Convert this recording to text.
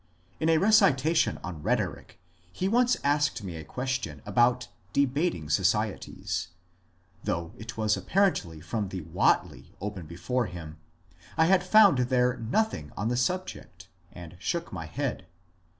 In a recitation on rhetoric he once asked me a question about *^ debating societies;" though it was apparently from the Whately open before him, I had found there nothing on the subject, and shook my head.